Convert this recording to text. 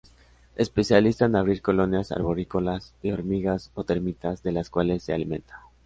Especialista en abrir colonias arborícolas de hormigas o termitas, de las cuales se alimenta.